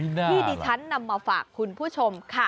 มีหน้าหรอที่ที่ฉันนำมาฝากคุณผู้ชมค่ะ